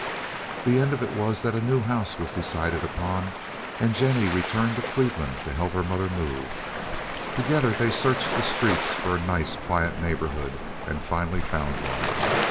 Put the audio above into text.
The end of it was that a new house was decided upon, and Jennie returned to Cleveland to help her mother move. Together they searched the streets for a nice, quiet neighborhood, and finally found one.